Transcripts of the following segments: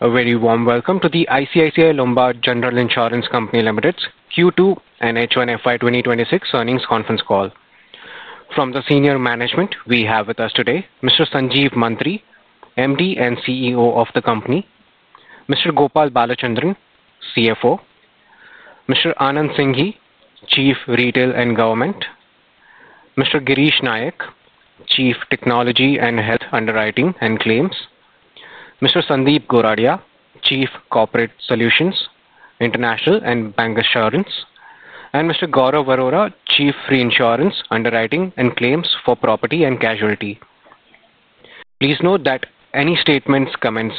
A very warm welcome to the ICICI Lombard General Insurance Company Limited's Q2 and H1 FY2026 earnings conference call from the senior management. We have with us today Mr. Sanjeev Mantri, MD and CEO of the company, Mr. Gopal Balachandran, CFO, Mr. Anand Singhi, Chief Retail and Government, Mr. Girish Nayak, Chief Technology and Health Underwriting and Claims, Mr. Sandeep Goradia, Chief Corporate Solutions International and Bancassurance, and Mr. Gaurav Varora, Chief Reinsurance, Underwriting and Claims for Property and Casualty. Please note that any statements or comments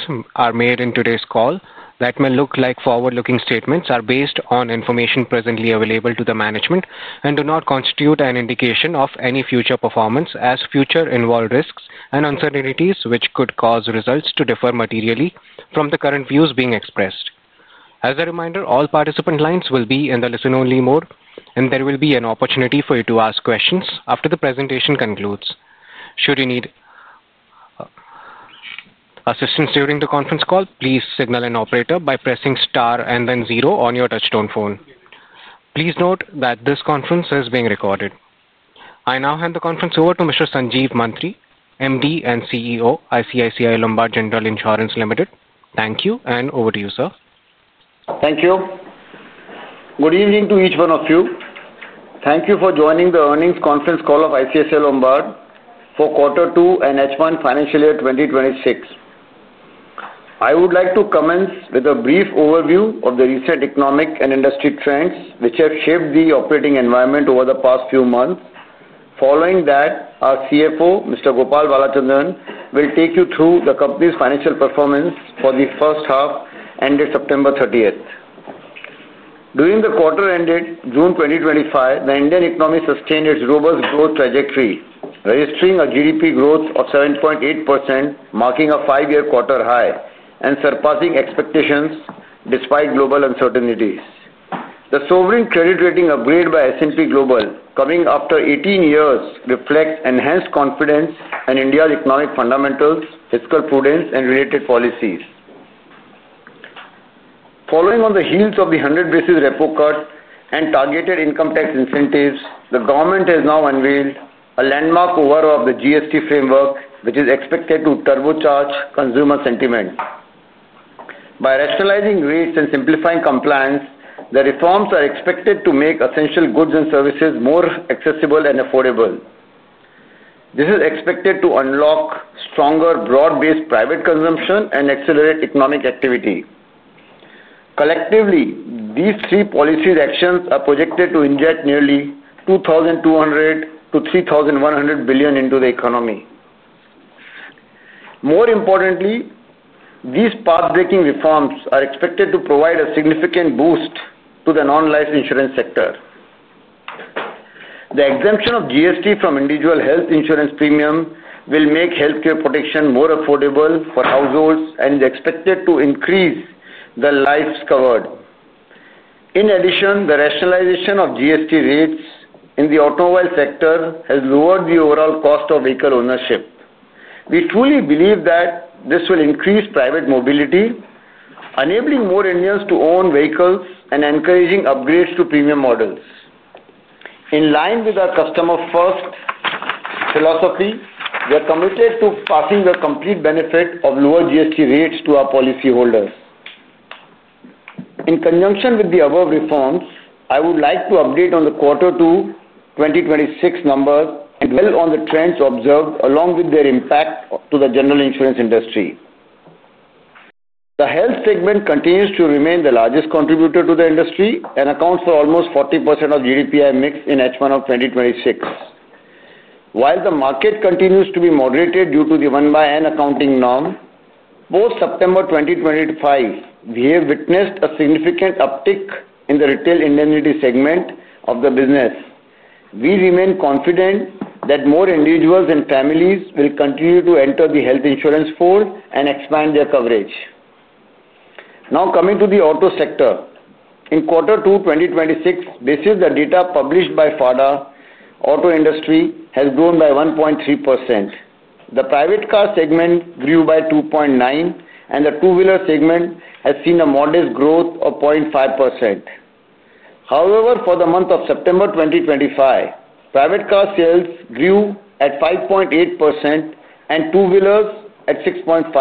made in today's call that may look like forward-looking statements are based on information presently available to the management and do not constitute an indication of any future performance as futures involve risks and uncertainties which could cause results to differ materially from the current views being expressed. As a reminder, all participant lines will be in the listen-only mode and there will be an opportunity for you to ask questions after the presentation concludes. Should you need assistance during the conference call, please signal an operator by pressing star and then zero on your touch-tone phone. Please note that this conference is being recorded. I now hand the conference over to Mr. Sanjeev Mantri, MD and CEO, ICICI Lombard General Insurance Company Limited. Thank you, and over to you, sir. Thank you. Good evening to each one of you. Thank you for joining the earnings conference. Call of ICICI Lombard General Insurance Company Limited for quarter two. H1 financial year 2026. I would like to commence with a brief overview of the recent economic and industry trends which have shaped the operating environment over the past few months. Following that, our CFO, Mr. Gopal Balachandran will take you through the company's financial performance for the first half ended September 30. During the quarter ended June 2025, the Indian economy sustained its robust growth trajectory, registering a GDP growth of 7.8%, marking a five-year quarter high and surpassing expectations despite global uncertainties. The sovereign credit rating upgrade by S&P Global coming after 18 years reflects enhanced confidence in India's economic fundamentals, fiscal prudence, and related policies. Following on the heels of the 100 basis repo cut and targeted income tax incentives, the government has now unveiled a landmark overview of the GST framework which is expected to turbocharge consumer sentiment by rationalizing rates and simplifying compliance. The reforms are expected to make essential goods and services more accessible and affordable. This is expected to unlock stronger broad-based private consumption and accelerate economic activity. Collectively, these three policy actions are projected to inject nearly $2,200 to $3,100 billion into the economy. More importantly, these path-breaking reforms are expected to provide a significant boost to the non-life insurance sector. The exemption of GST from individual health insurance premium will make healthcare protection more affordable for households and is expected to increase the lives covered. In addition, the rationalization of GST rates in the automobile sector has lowered the overall cost of vehicle ownership. We truly believe that this will increase private mobility, enabling more Indians to own vehicles and encouraging upgrades to premium models. In line with our customer-first philosophy, we are committed to passing the complete benefit of lower GST rates to our policyholders. In conjunction with the above reforms, I would like to update on the Quarter 2 2026 numbers and dwell on the trends observed along with their impact to the general insurance industry. The health segment continues to remain the largest contributor to the industry and accounts for almost 40% of GDPI mix in H1 of 2026. While the market continues to be moderated due to the 1 by N accounting norm post September 2025, we have witnessed a significant uptick in the retail indemnity segment of the business. We remain confident that more individuals and families will continue to enter the health insurance fold and expand their coverage. Now coming to the auto sector in quarter two 2026, this is the data published by FADA. Auto industry has grown by 1.3%, the private car segment grew by 2.9% and the two wheeler segment has seen a modest growth of 0.5%. However, for the month of September 2025, private car sales grew at 5.8% and two wheelers at 6.5%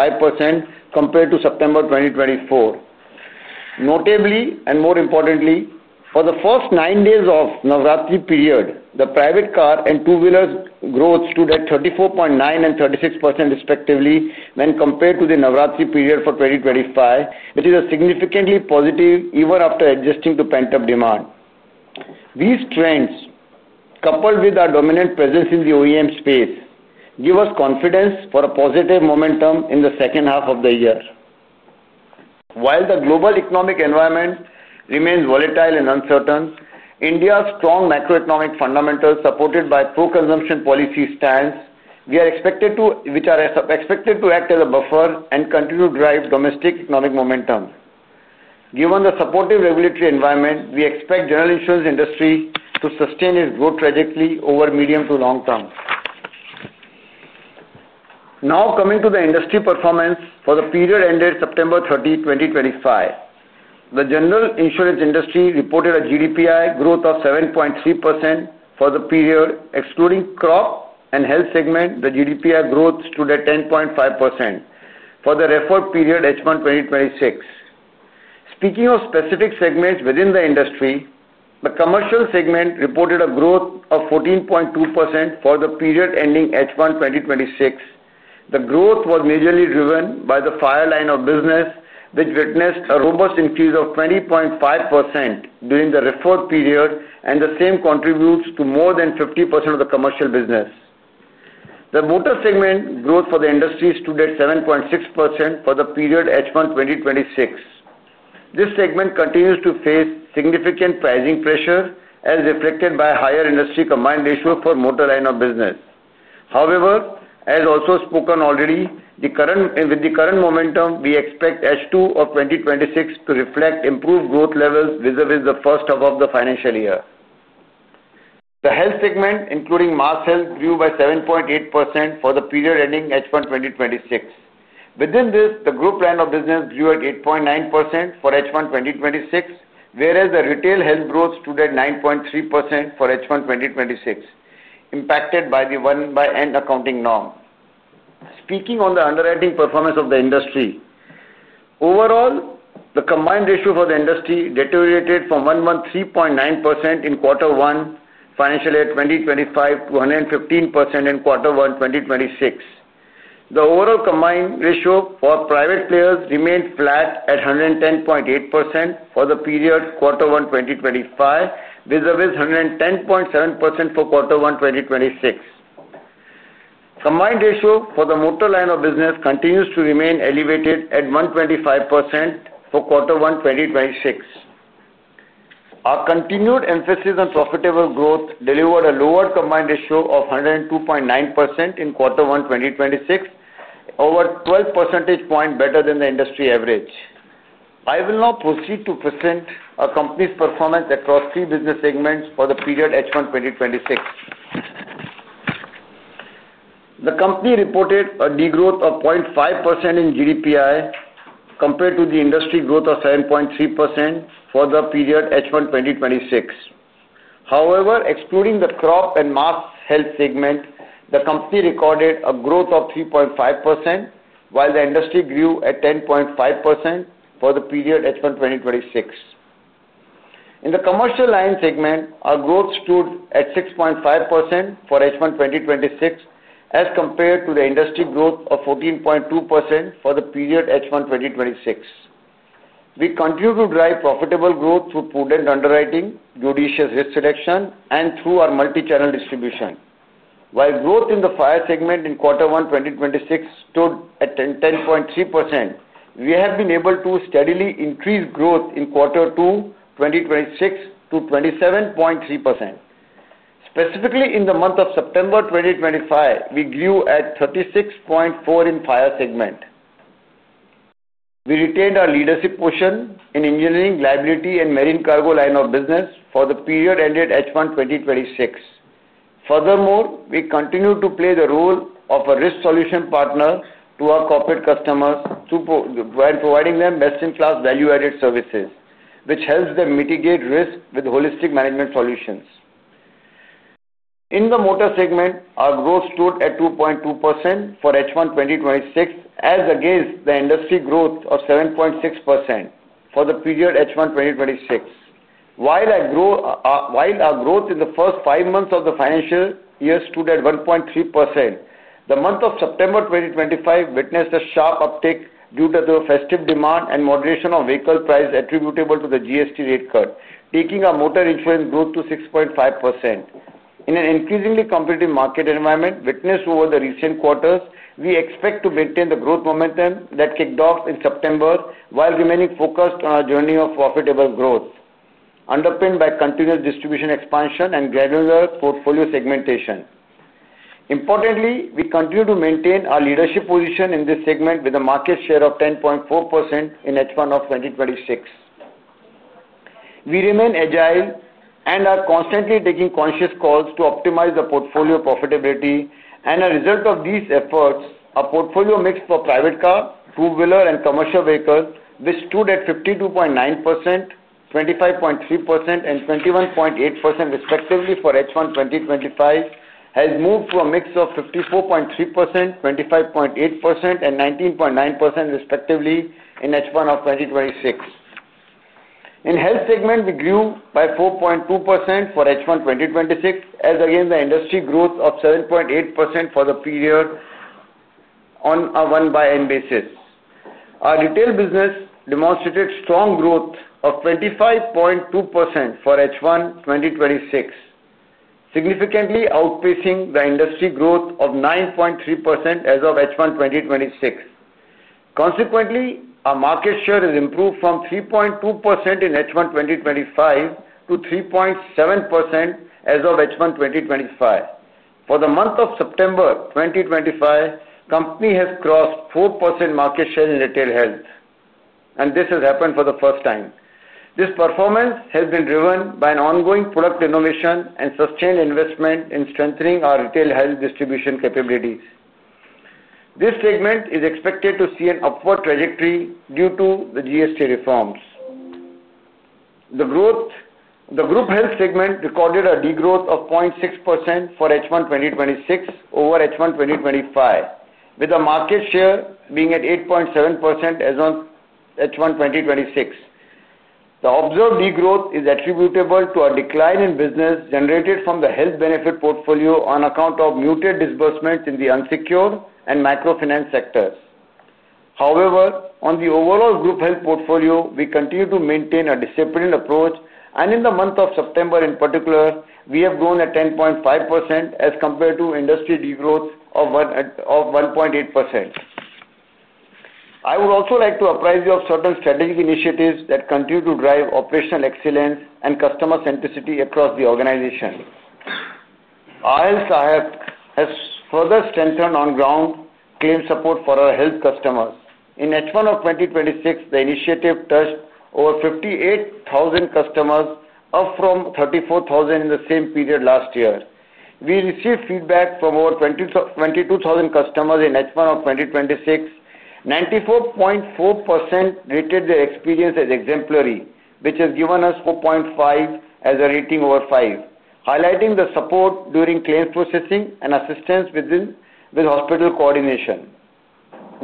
compared to September 2024. Notably and more importantly, for the first nine days of Navratri period, the private car and two wheelers growth stood at 34.9% and 36% respectively when compared to the Navratri period for 2025, which is significantly positive even after adjusting to pent. These trends coupled with our dominant presence in the OEM space give us confidence for a positive momentum in the second half of the year while the global economic environment remains volatile and uncertain. India's strong macroeconomic fundamentals supported by pro consumption policy stance are expected to act as a buffer and continue to drive domestic economic momentum. Given the supportive regulatory environment, we expect general insurance industry to sustain its growth trajectory over the medium to long term. Now coming to the industry performance for the period ended September 30, 2025, the general insurance industry reported a GDPI growth of 7.3% for the period. Excluding crop and health segment, the GDPI growth stood at 10.5% for the referred period H1 2026. Speaking of specific segments within the industry, the commercial segment reported a growth of 14.2% for the period ending H1 2026. The growth was majorly driven by the fire line of business which witnessed a robust increase of 20.5% during the referral period and the same contributes to more than 50% of the commercial business. The motor segment growth for the industry stood at 7.6% for the period H1 2026. This segment continues to face significant pricing pressure as reflected by higher industry combined ratio for motor line of business. However, as also spoken already with the current momentum, we expect H2 of 2026 to reflect improved growth levels visible in the first half of the financial year. The health segment including MassHealth grew by 7.8% for the period ending H1 2026. Within this, the group line of business grew at 8.9% for H1 2026 whereas the retail health growth stood at 9.3% for H1 2026 impacted by the one by N accounting norm. Speaking on the underwriting performance of the industry overall, the combined ratio for the industry deteriorated from 113.9% in Quarter 1 Financial Year 2025 to 115% in Quarter 1 2026. The overall combined ratio for private players remained flat at 110.8% for the period Quarter 1 2025 versus 110.7% for Quarter 1 2026. Combined ratio for the motor line of business continues to remain elevated at 125% for Quarter 1 2026. Our continued emphasis on profitable growth delivered a lower combined ratio of 102.9% in Quarter 1 2026, over 12 percentage points better than the industry average. I will now proceed to present the company's performance across three business segments for the period H1 2026. The company reported a degrowth of 0.5% in GDPI compared to the industry growth of 7.3% for the period H1 2026. However, excluding the crop and mass health segment, the company recorded a growth of 3.5% while the industry grew at 10.5% for the period H1 2026. In the Commercial Line segment, our growth stood at 6.5% for H1 2026 as compared to the industry growth of 14.2% for the period H1 2026. We continue to drive profitable growth through prudent underwriting, judicious risk reduction, and through our multichannel distribution. While growth in the fire segment in Quarter 1 2026 stood at 10.3%, we have been able to steadily increase growth in Quarter 2 2026 to 27.3%. Specifically, in the month of September 2025, we grew at 36.4% in the fire segment. We retained our leadership position in engineering, liability, and marine cargo line of business for the period ended H1 2026. Furthermore, we continue to play the role of a risk solution partner to our corporate customers while providing them best-in-class value-added services which helps them mitigate risk with holistic management solutions. In the motor segment, our growth stood at 2.2% for H1 2026 as against the industry growth of 7.6% for the period H1 2026, while our growth in the first five months of the financial year stood at 1.3%. The month of September 2025 witnessed a sharp uptick due to the festive demand and moderation of vehicle price attributable to the GST rate cut, taking our motor insurance growth to 6.5% in an increasingly competitive market environment witnessed over the recent quarters. We expect to maintain the growth momentum that kicked off in September while remaining focused on our journey of profitable growth underpinned by continuous distribution expansion and granular portfolio segmentation. Importantly, we continue to maintain our leadership position in this segment with a market share of 10.4% in H1 FY2026. We remain agile and are constantly taking conscious calls to optimize the portfolio profitability and as a result of these efforts, a portfolio mix for private car, two wheeler, and commercial vehicle which stood at 52.9%, 25.3%, and 21.8% respectively for H1 FY2025 has moved to a mix of 54.3%, 25.8%, and 19.9% respectively in H1 FY2026. In the health segment, we grew by 4.2% for H1 FY2026 as against the industry growth of 7.8% for the period. On an A1 by N basis, our retail business demonstrated strong growth of 25.2% for H1 FY2026, significantly outpacing the industry growth of 9.3% as of H1 FY2026. Consequently, our market share has improved from 3.2% in H1 FY2025 to 3.7% as of H1 FY2026. For the month of September 2025, the company has crossed 4% market share in retail health and this has happened for the first time. This performance has been driven by ongoing product innovation and sustained investment in strengthening our retail health distribution capabilities. This segment is expected to see an upward trajectory due to the GST reforms. The group health segment recorded a degrowth of 0.6% for H1 FY2026 over H1 FY2025 with a market share being at 8.7% as on H1 FY2026. The observed degrowth is attributable to a decline in business generated from the health benefit portfolio on account of muted disbursements in the unsecured and microfinance sectors. However, on the overall group health portfolio we continue to maintain a disciplined approach and in the month of September in particular we have grown at 10.5% as compared to industry degrowth of 1.8%. I would also like to apprise you of certain strategic initiatives that continue to drive operational excellence and customer centricity across the organization. IL Take Care app has further strengthened on ground claim support for our health customers. In H1 FY2026, the initiative touched over 58,000 customers, up from 34,000 in the same period last year. We received feedback from over 22,000 customers in H1 FY2026, 94.4% rated their experience as exemplary which has given us 4.5 as a rating over 5, highlighting the support during claims processing and assistance with hospital coordination.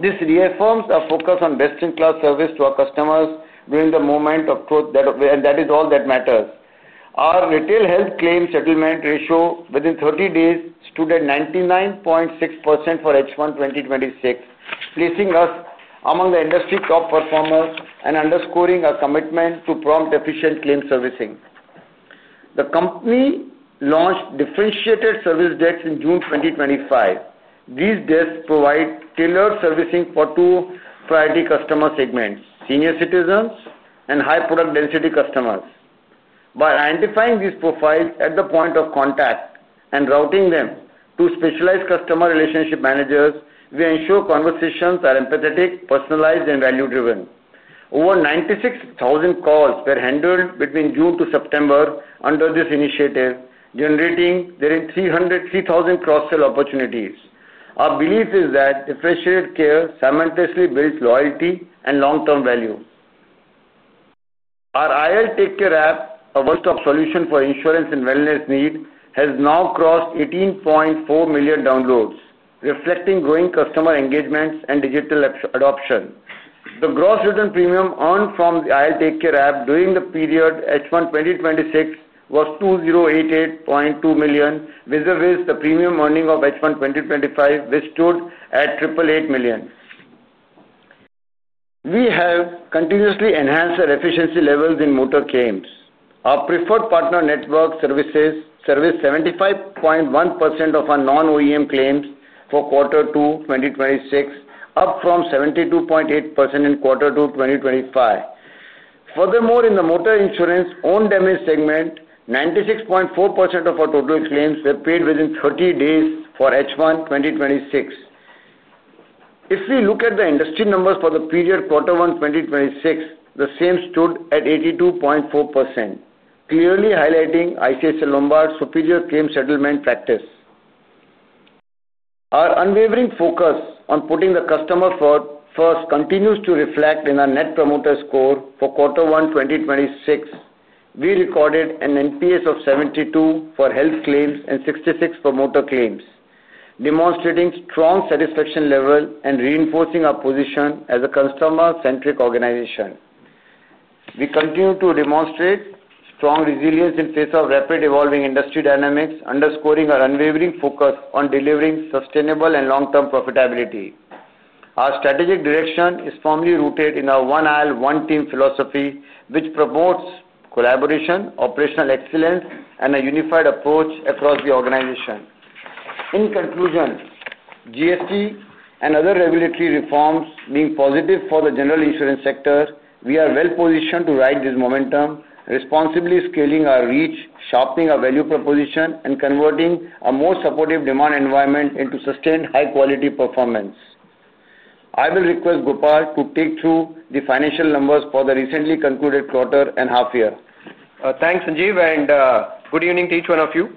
This reaffirms our focus on best-in-class service to our customers during the moment of truth, and that is all that matters. Our retail health claim settlement ratio within 30 days stood at 99.6% for H1 FY2026, placing us among the industry top performers and underscoring our commitment to prompt, efficient claim servicing. The company launched differentiated service desks in June 2025. These desks provide tailored servicing for two priority customer segments, senior citizens and high product density customers. By identifying these profiles at the point of contact and routing them to specialized customer relationship managers, we ensure conversations are empathetic, personalized, and value-driven. Over 96,000 calls were handled between June to September under this initiative, generating 3,000 cross-sell opportunities. Our belief is that differentiated care simultaneously builds loyalty and long-term value. Our IL Take Care app, a one-stop solution for insurance and wellness needs, has now crossed 18.4 million downloads, reflecting growing customer engagement and digital adoption. The gross written premium earned from IL Take Care app during the period H1 FY2026 was 2,088.2 million vis-à-vis the premium earning of H1 FY2025, which stood at 888 million. We have continuously enhanced our efficiency levels in motor claims. Our Preferred Partner network services 75.1% of our non-OEM claims for Q2 FY2026, up from 72.8% in Q2 FY2025. Furthermore, in the motor insurance own damage segment, 96.4% of our total claims were paid within 30 days for H1 FY2026. If we look at the industry numbers for the period Q1 FY2026, the same stood at 82.4%, clearly highlighting ICICI Lombard General Insurance Company Limited's superior claim settlement practice. Our unwavering focus on putting the customer first continues to reflect in our net promoter score for Q1 FY2026. We recorded an NPS of 72 for health claims and 66 for motor claims, demonstrating strong satisfaction levels and reinforcing our position as a customer-centric organization. We continue to demonstrate strong resilience in the face of rapidly evolving industry dynamics, underscoring our unwavering focus on delivering sustainable and long-term profitability. Our strategic direction is firmly rooted in our one aisle one team philosophy, which promotes collaboration, operational excellence, and a unified approach across the organization. In conclusion, GST and other regulatory reforms being positive for the general insurance sector, we are well positioned to ride this momentum responsibly, scaling our reach, sharpening our value proposition, and converting a more supportive demand environment into sustained high quality performance. I will request Gopal to take through the financial numbers for the recently concluded quarter and half year. Thanks Sanjeev and good evening to each one of you.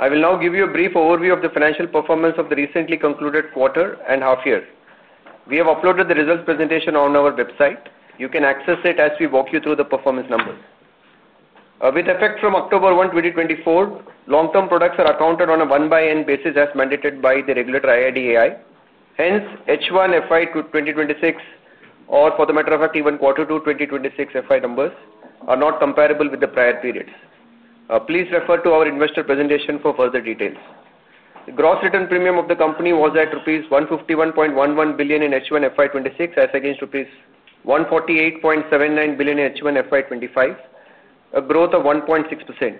I will now give you a brief overview of the financial performance of the recently concluded quarter and half year. We have uploaded the results presentation on our website. You can access it as we walk you through the performance numbers. With effect from 10-01-2024, long term products are accounted on a one by n basis as mandated by the regulator, IRDAI. Hence, H1 FY2026 or for that matter even Q2 FY2026 numbers are not comparable with the prior periods. Please refer to our investor presentation for further details. The gross written premium of the company was at rupees 151.11 billion in H1 FY2026 as against INR 148.79 billion in H1 FY2025, a growth of 1.6%.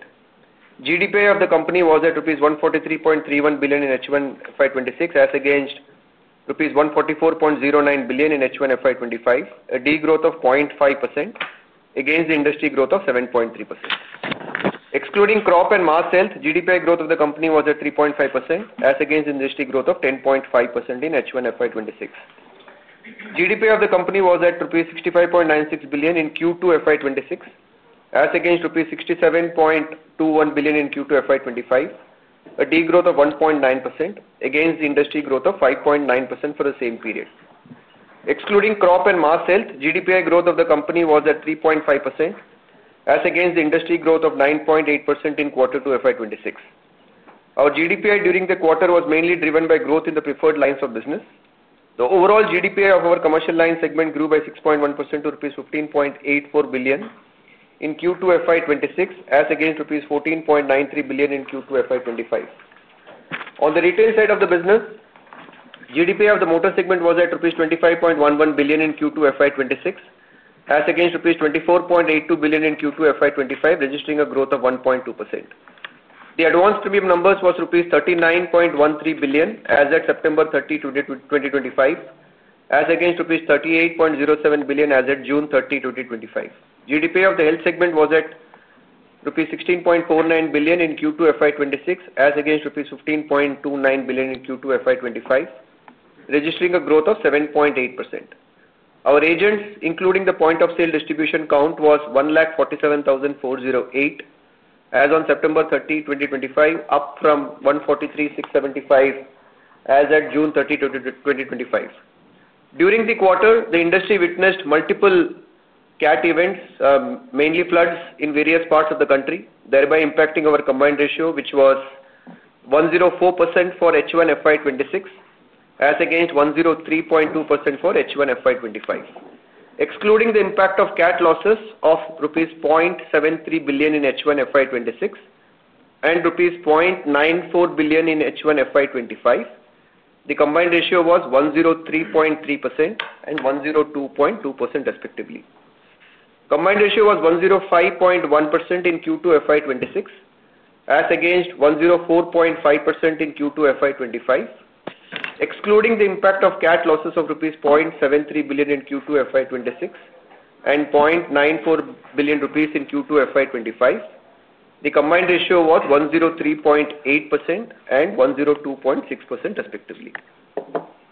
GDPI of the company was at rupees 143.31 billion in H1 FY2026 as against rupees 144.09 billion in H1 FY2025, a degrowth of 0.5% against the industry growth of 7.3% excluding crop and mass health. GDPI growth of the company was at 3.5% as against industry growth of 10.5% in H1 FY2026. GDPI of the company was at rupees 65.96 billion in Q2 FY2026 as against rupees 67.21 billion in Q2 FY2025, a degrowth of 1.9% against the industry growth of 5.9% for the same period. Excluding crop and mass health, GDPI growth of the company was at 3.5% as against the industry growth of 9.8% in Q2 FY2026. Our GDPI during the quarter was mainly driven by growth in the preferred lines of business. The overall GDPI of our commercial line segment grew by 6.1% to rupees 15.84 billion in Q2 FY2026 as against rupees 14.93 billion in Q2 FY2025. On the retail side of the business, GDPI of the motor segment was at rupees 25.11 billion in Q2 FY2026 as against rupees 24.82 billion in Q2 FY2025, registering a growth of 1.2%. The advanced premium numbers was rupees 39.13 billion as at September 30, 2025 as against rupees 38.07 billion as at June 30, 2025. GDPI of the health segment was at rupees 16.49 billion in Q2 FY2026 as against rupees 15.29 billion in Q2 FY2025, registering a growth of 7.8%. Our agents, including the point of sale distribution count, was 147,408 as on September 30, 2025, up from 143,675 as at June 30, 2025. During the quarter, the industry witnessed multiple CAT events, mainly floods in various parts of the country, thereby impacting our combined ratio which was 104% for H1 FY2026 as against 103.2% for H1 FY2025. Excluding the impact of CAT losses of rupees 0.73 billion in H1 FY2026 and rupees 0.94 billion in H1 FY2025, the combined ratio was 103.3% and 102.2% respectively. Combined ratio was 105.1% in Q2 FY2026 as against 104.5% in Q2 FY2025. Excluding the impact of cat losses of rupees 0.73 billion in Q2 FY2026 and 0.94 billion rupees in Q2 FY2025, the combined ratio was 103.8% and 102.6%, respectively.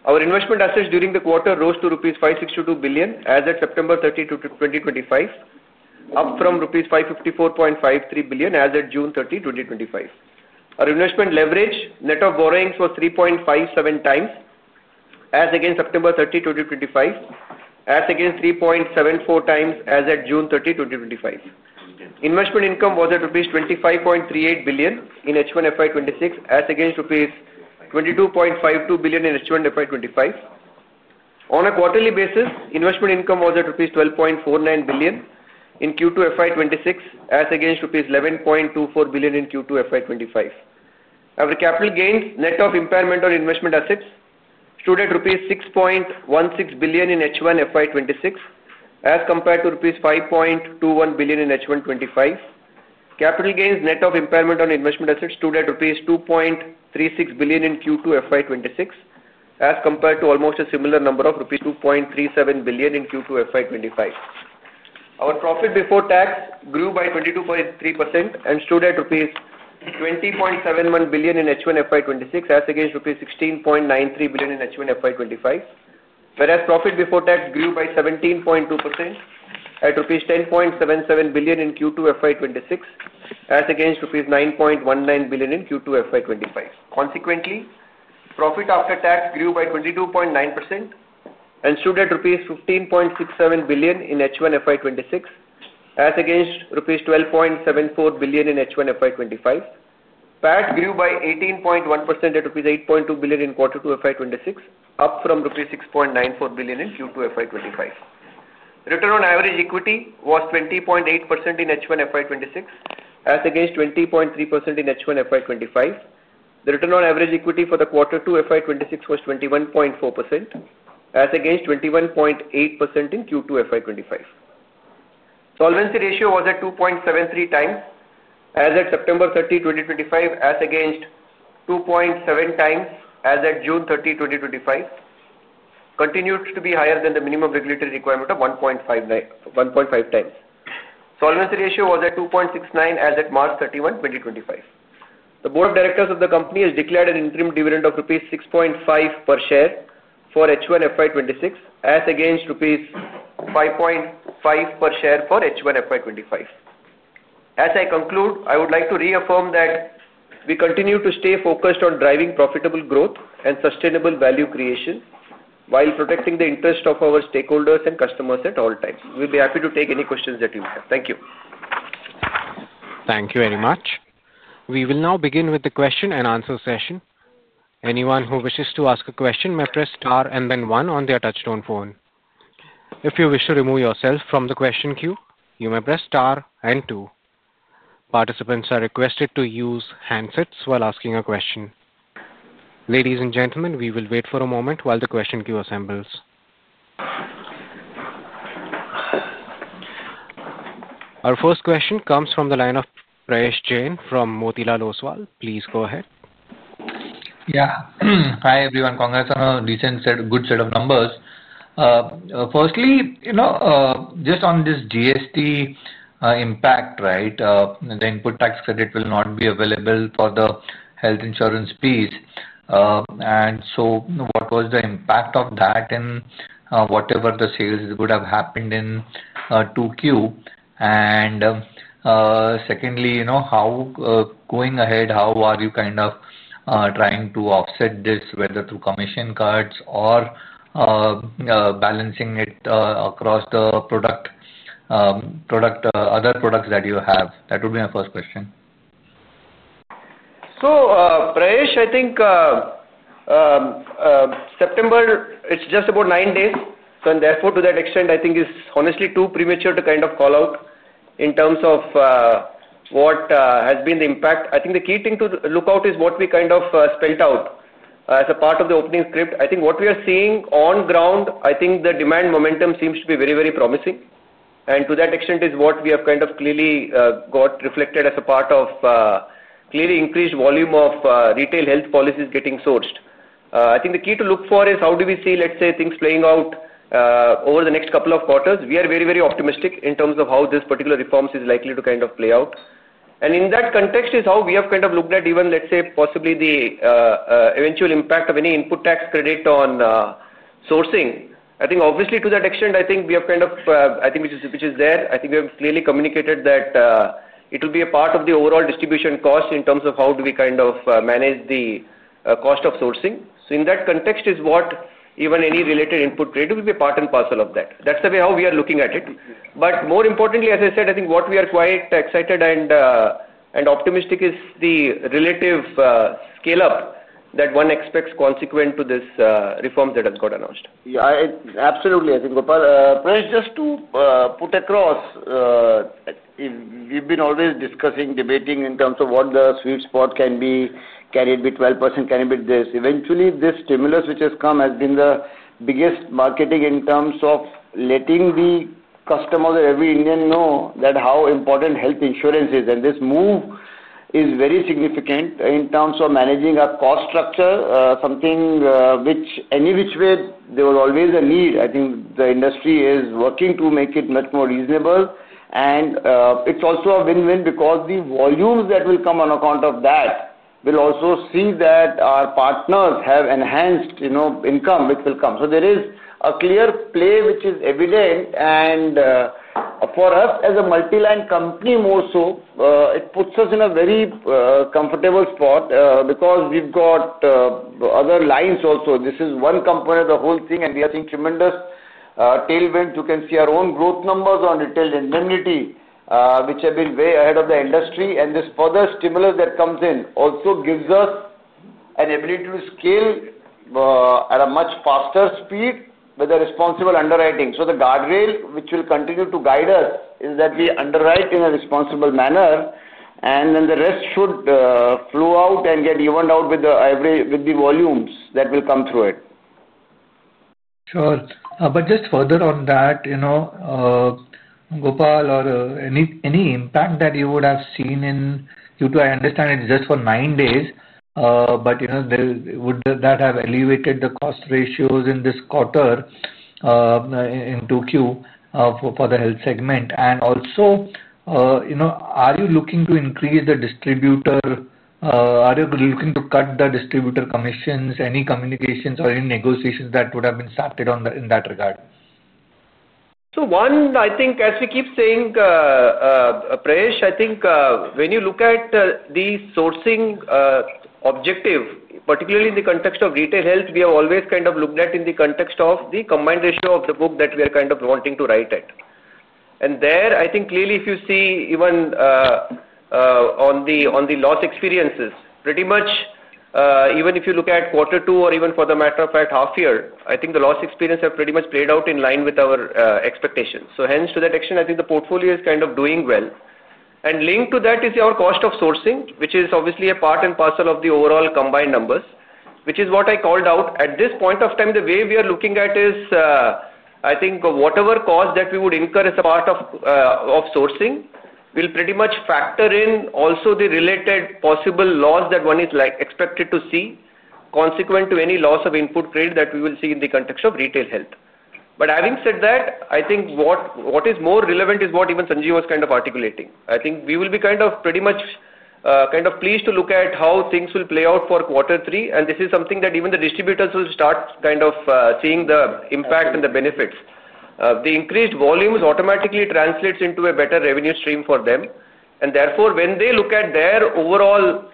Our investment assets during the quarter rose to rupees 562 billion as at September 30, 2025, up from rupees 554.53 billion as at June 30, 2025. Our investment leverage net of borrowings was 3.57 times as at September 30, 2025, as against 3.74 times as at June 30, 2025. Investment income was at rupees 25.38 billion in H1 FY2026 as against rupees 22.52 billion in H1 FY2025. On a quarterly basis, investment income was at rupees 12.49 billion in Q2 FY2026 as against rupees 11.24 billion in Q2 FY2025. Average capital gains net of impairment on investment assets stood at rupees 6.16 billion in H1 FY2026 as compared to rupees 5.21 billion in H1 FY2025. Capital gains net of impairment on investment assets stood at rupees 2.36 billion in Q2 FY2026 as compared to almost a similar number of rupees 2.37 billion in Q2 FY2025. Our profit before tax grew by 22.3% and stood at rupees 20.71 billion in H1 FY2026 as against rupees 16.93 billion in H1 FY2025, whereas profit before tax grew by 17.2% at rupees 10.77 billion in Q2 FY2026 as against rupees 9.19 billion in Q2 FY2025. Consequently, profit after tax grew by 22.9% and stood at rupees 15.67 billion in H1 FY2026 as against rupees 12.74 billion in H1 FY2025. PAT grew by 18.1% at rupees 8.2 billion in Q2 FY2026, up from rupees 6.94 billion in Q2 FY2025. Return on average equity was 20.8% in H1 FY2026 as against 20.3% in H1 FY2025. The return on average equity for Q2 FY2026 was 21.4% as against 21.8% in Q2 FY2025. Solvency ratio was at 2.73 times as at September 30, 2025, as against 2.7 times as at June 30, 2025, and continued to be higher than the minimum regulatory requirement of 1.5 times. Solvency ratio was at 2.69 as at March 31, 2025. The Board of Directors of the company has declared an interim dividend of rupees 6.5 per share for H1 FY2026 as against rupees 5.5 per share for H1 FY2025. As I conclude, I would like to reaffirm that we continue to stay focused on driving profitable growth and sustainable value creation while protecting the interest of our stakeholders and customers at all times. We'll be happy to take any questions that you have. Thank you. Thank you very much. We will now begin with the question and answer session. Anyone who wishes to ask a question may press STAR and then one on their touchtone phone. If you wish to remove yourself from the question queue, you may press STAR and two. Participants are requested to use handsets while asking a question. Ladies and gentlemen, we will wait for a moment while the question queue assembles. Our first question comes from the line of Prayesh Jain from Motilal Oswal. Please go ahead. Hi everyone. Congrats on a recent set of good set of numbers. Firstly, you know, just on this GST impact, right, the input tax credit will not be available for the health insurance piece. What was the impact of that and whatever the sales would have happened in Q2, and secondly, you know how going ahead, how are you kind of trying to offset this, whether through commission cuts or balancing it across. The product, other products that you have? That would be my first question. I think. September, it's just. About nine days and therefore to that extent I think it's honestly too premature to kind of call out in terms of what has been the impact. I think the key thing to look out is what we kind of spelled out as a part of the opening script. I think what we are seeing on ground, I think the demand momentum seems to be very, very promising and to that extent is what we have kind of clearly got reflected as a part of clearly increased volume of retail health policies getting sourced. I think the key to look for is how do we see, let's say things playing out over the next couple of quarters. We are very, very optimistic in terms of how this particular reforms is likely to kind of play out. In that context is how we have kind of looked at even let's say possibly the eventual impact of any input tax credit on sourcing. Obviously to that extent I think we have kind of, I think which is there. We have clearly communicated that it will be a part of the overall distribution cost in terms of how do we kind of manage the cost of sourcing. In that context is what even any related input will be part and parcel of that. That's the way how we are looking at it. More importantly, as I said, I think what we are quite excited and optimistic is the relative scale up that one expects consequent to this reform that has got announced. Absolutely. I think, Gopal, just to put across, we've been always discussing, debating in terms of what the sweet spot can be. Can it be 12%? Can it be this? Eventually, this stimulus which has come has been the biggest marketing in terms of letting the customer, every Indian, know how important health insurance is. This move is very significant in terms of managing our cost structure, something which any which way there was always a need. I think the industry is working to make it much more reasonable, and it's also a win-win because the volumes that will come on account of that will also see that our partners have enhanced income which will come. There is a clear play which is evident, and for us as a multi-line company, more so it puts us in a very comfortable spot because we've got other lines also. This is one component, the whole thing, and we are seeing tremendous tailwind. You can see our own growth numbers on retail indemnity which have been way ahead of the industry. This further stimulus that comes in also gives us an ability to scale at a much faster speed with responsible underwriting. The guardrail which will continue to guide us is that we underwrite in a responsible manner, and then the rest should flow out and get evened out with the volumes that will come through it. Sure. Just further on that, you know, Gopal or any, any impact that you would have seen in Q2? I understand it's just for nine days, but you. Would that have elevated the cost? Ratios in this quarter in two for the health segment, and also are you looking to increase the distributor? Are you looking to cut the distributor commissions, any communications or any negotiations that would have been started in that regard. I think, as we keep saying, Prayesh, when you look at the sourcing objective, particularly in the context of retail health, we have always kind of looked at it in the context of the combined ratio of the book that we are kind of wanting to write. There, if you see even on the loss experiences, pretty much even if you look at quarter two or even for the matter of fact half year, the loss experiences have pretty much played out in line with our expectations. To that extent, the portfolio is kind of doing well. Linked to that is our cost of sourcing, which is obviously a part and parcel of the overall combined numbers, which is what I called out at this point of time. The way we are looking at it is whatever cost that we would incur as a part of sourcing will pretty much factor in also the related possible loss that one is expected to see consequent to any loss of input credit that we will see in the context of retail health. What is more relevant is what even Sanjeev was kind of articulating. We will be pretty much pleased to look at how things will play out for quarter three. This is something that even the distributors will start kind of seeing the impact and the benefits. The increased volumes automatically translate into a better revenue stream for them. Therefore, when they look at their overall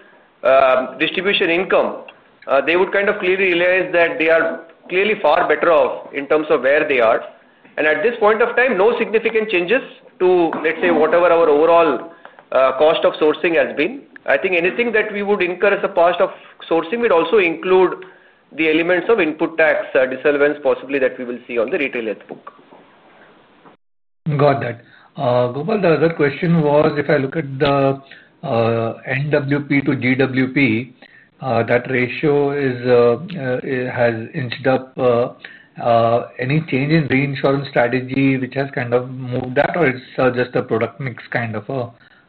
distribution income, they would kind of clearly realize that they are clearly far better off in terms of where they are. At this point of time, no significant changes to, let's say, whatever our overall cost of sourcing has been. Anything that we would incur as a cost of sourcing would also include the elements of input tax disallowance possibly that we will see on the retail health book. Got that, Gopal? The other question was if I look at the NWP to GWP, that ratio has inched up. Any change in reinsurance strategy which has kind of moved that, or it's just a product mix kind of.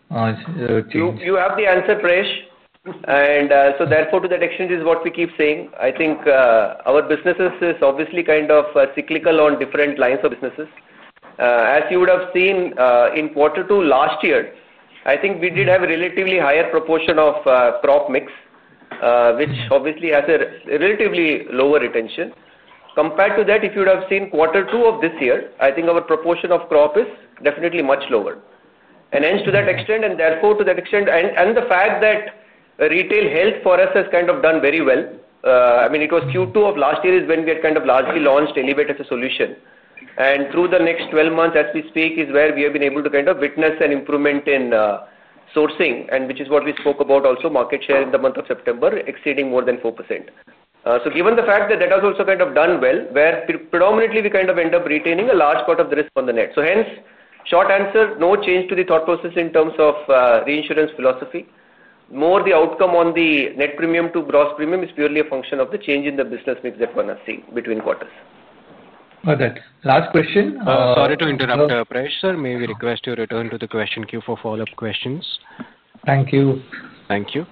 You have the answer preshow. Therefore, to that extent is what we keep saying. I think our business is obviously kind of cyclical on different lines of businesses. As you would have seen in quarter two last year, I think we did have a relatively higher proportion of crop mix, which obviously has a relatively lower retention compared to that. If you would have seen quarter two of this year, I think our proportion of crop is definitely much lower to that extent and therefore to that extent. The fact that retail health for us has kind of done very well. It was Q2 of last year when we had kind of largely launched anybit as a solution, and through the next 12 months as we speak is where we have been able to kind of witness an improvement in sourcing, which is what we spoke about. Also, market share in the month of September exceeding more than 4%. Given the fact that that has also kind of done well, where predominantly we kind of end up retaining a large part of the risk on the net. Hence, short answer, no change to the thought process in terms of reinsurance philosophy. More the outcome on the net premium to gross premium is purely a function of the change in the business mix that one has seen between quarters. Last question. Sorry to interrupt. Sir, may we request you return to the question queue for follow up questions. Thank you. Thank you.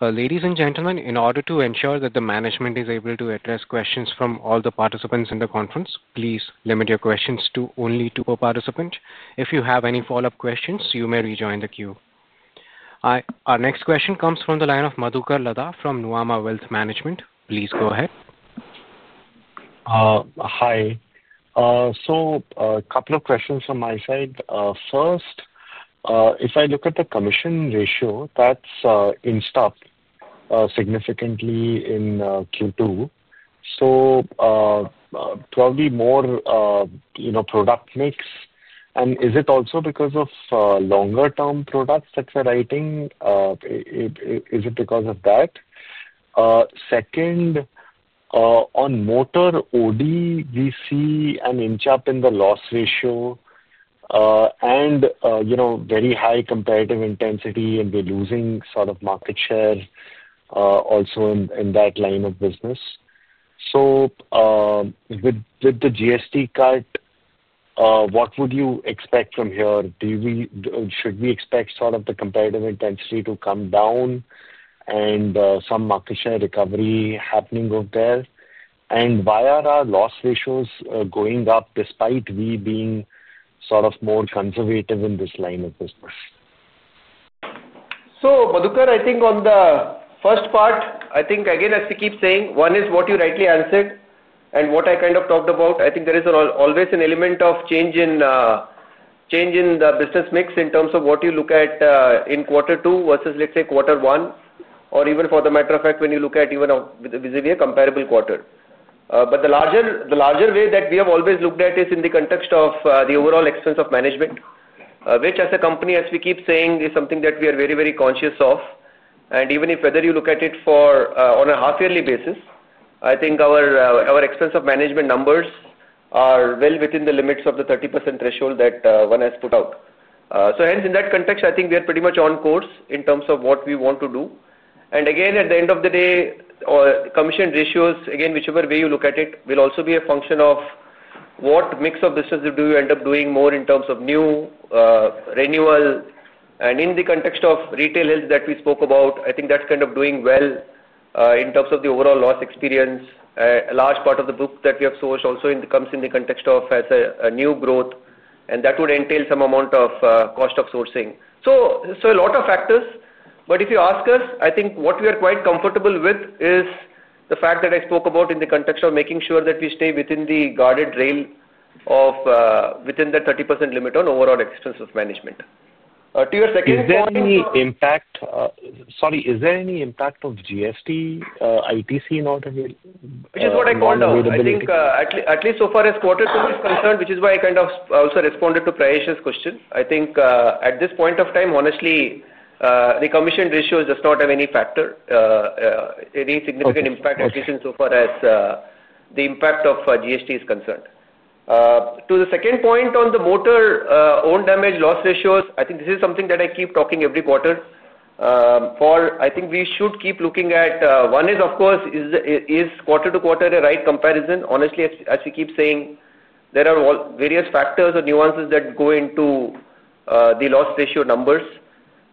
Ladies and gentlemen, in order to ensure that the management is able to address questions from all the participants in the conference, please limit your questions to only two participants. If you have any follow up questions, you may rejoin the queue. Our next question comes from the line of Madhukar Lada from Nuama Wealth Management. Please go ahead. Hi. A couple of questions from my side. First, if I look at the commission ratio, that's in stock significantly in Q2. Is it probably more product mix, and is it also because of longer term products that we're writing? Is it because of that? Second, on motor OD we see an inch up in the loss ratio and very high competitive intensity, and we're losing sort of market share also in that line of business. With the GST cut, what would you expect from here? Should we expect the competitive intensity to come down and some market share recovery happening over there, and why are our loss ratios going up despite we being more conservative in this line of business? Madhukar, I think on the first part, as we keep saying, one is what you rightly answered and what I kind of talked about. I think there is always an element of change in the business mix in terms of what you look at in quarter two versus, let's say, quarter one or even, for the matter of fact, when you look at even vis-à-vis a comparable quarter. The larger way that we have always looked at is in the context of the overall expense of management, which, as a company, as we keep saying, is something that we are very, very conscious of. Even if you look at it on a half yearly basis, I think our expense of management numbers are well within the limits of the 30% threshold that one has put out. Hence, in that context, I think we are pretty much on course in terms of what we want to do. At the end of the day, commission ratios, whichever way you look at it, will also be a function of what mix of business you end up doing, more in terms of new renewal. In the context of retail health that we spoke about, I think that's kind of doing well in terms of the overall loss experience. A large part of the book that we have sourced also comes in the context of new growth, and that would entail some amount of cost of sourcing. A lot of factors. If you ask us, I think what we are quite comfortable with is the fact that I spoke about in the context of making sure that we stay within the guardrail of within the 30% limit on overall expense of management. To your second point, is there. Any impact of GST ITC not available. Which is what I called out, I think at least so far as quarter two is concerned, which is why I kind of also responded to Prayesh's question. I think at this point of time, honestly the commission ratio does not have any factor, any significant impact at least insofar as the impact of GST is concerned. To the second point on the motor own damage loss ratios, I think this is something that I keep talking every quarter. I think we should keep looking at it. One is of course is quarter to quarter a right comparison. Honestly, as we keep saying there are various factors or nuances that go into the loss ratio numbers.